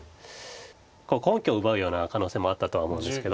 根拠を奪うような可能性もあったとは思うんですけど。